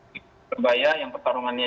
di surabaya yang pertarungannya